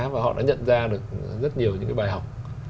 và họ đã nhận ra được rất nhiều những cái bài học